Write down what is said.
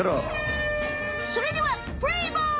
それではプレイボール！